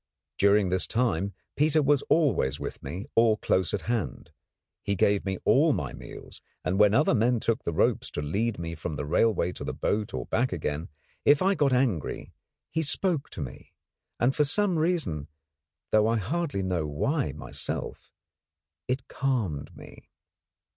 During this time Peter was always with me or close at hand. He gave me all my meals, and when other men took the ropes to lead me from the railway to the boat or back again, if I got angry, he spoke to me, and for some reason, though I hardly know why myself, it calmed me.